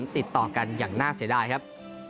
ติดต่อกันอย่างน่าเสียดายครับ